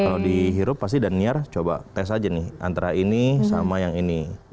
kalau dihirup pasti daniar coba tes aja nih antara ini sama yang ini